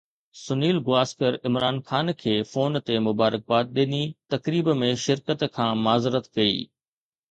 سنيل گواسڪر عمران خان کي فون تي مبارڪباد ڏني، تقريب ۾ شرڪت کان معذرت ڪئي